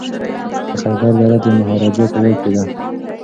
د خیبر دره د مهاراجا په واک کي ده.